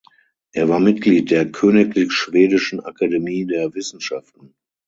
Er war Mitglied der Königlich Schwedischen Akademie der Wissenschaften.